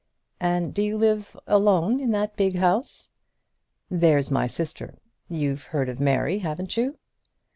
"And do you live alone in that big house?" "There's my sister. You've heard of Mary; haven't you?"